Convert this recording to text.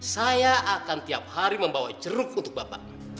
saya akan tiap hari membawa jeruk untuk bapakmu